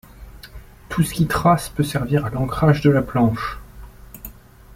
Tout ce qui trace peut servir a l'encrage de la planche.